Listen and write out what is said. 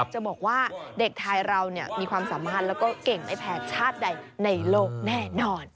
จะบอกว่าเด็กไทยเรามีความสามารถแล้วก็เก่งไม่แพ้ชาติใดในโลกแน่นอน